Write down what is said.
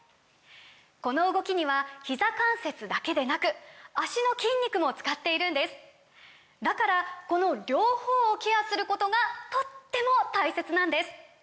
この動きにはひざ関節だけでなく脚の筋肉も使っているんですだからこの両方をケアすることがとっても大切なんです！